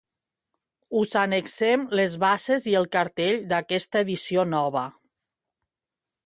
Us annexem les bases i el cartell d'aquesta edició nova.